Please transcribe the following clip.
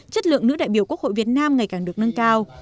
chất lượng nữ đại biểu quốc hội việt nam ngày càng được nâng cao